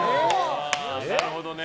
なるほどね。